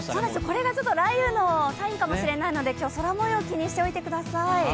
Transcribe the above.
これが雷雨のサインかもしれないので、今日は空もようを気にしておいてください。